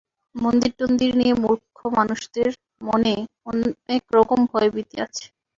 মন্দিরটন্দির নিয়ে মূর্খ মানুষদের মনে অনেক রকম ভয়-ভীতি আছে।